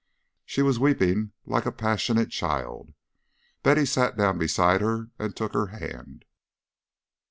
She was weeping like a passionate child. Betty sat down beside her and took her hand.